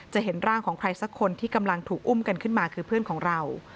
เห็นร่างของใครสักคนที่กำลังถูกอุ้มกันขึ้นมาคือเพื่อนของเรา